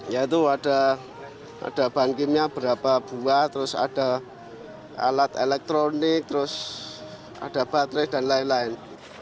ya itu ada bahan kimia berapa buah terus ada alat elektronik terus ada baterai dan lain lain